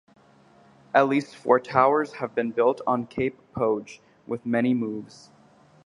At least four towers have been built on Cape Poge, with many moves.